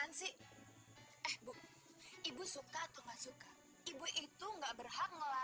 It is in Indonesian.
nih lima ratus ribu rupiah